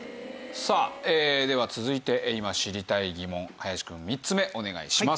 さあでは続いて今知りたい疑問林くん３つ目お願いします。